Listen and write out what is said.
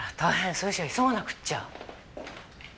それじゃ急がなくっちゃ。